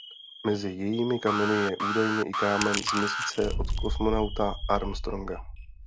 Mezi jejími kameny je údajně i kámen z Měsíce od kosmonauta Armstronga.